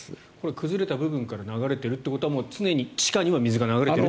崩れた部分から流れているということは常に地下から水が流れていると。